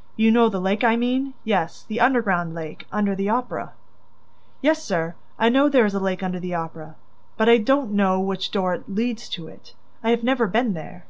... You know the lake I mean? ... Yes, the underground lake ... under the Opera." "Yes, sir, I know there is a lake under the Opera, but I don't know which door leads to it. I have never been there!"